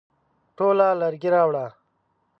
ټوله لرګي راوړه ؟